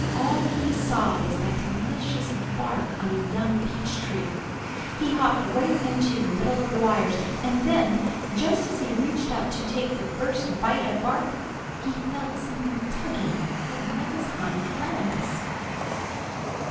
All he saw was that delicious bark on the young peach tree. He hopped right into the middle of the wires, and then, just as he reached up to take the first bite of bark, he felt something tugging at one of his hind legs.